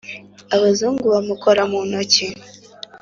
abazungu bamukora mu ntoki